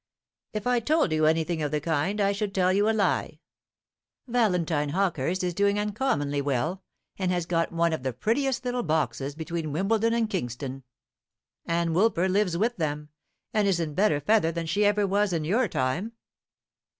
"If I told you anything of the kind, I should tell you a lie; Valentine Hawkehurst is doing uncommonly well, and has got one of the prettiest little boxes between Wimbledon and Kingston. Ann Woolper lives with them, and is in better feather than she ever was in your time."